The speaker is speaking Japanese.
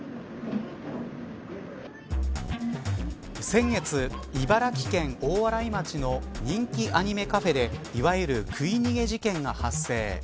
先月、茨城県大洗町の人気アニメカフェでいわゆる、食い逃げ事件が発生。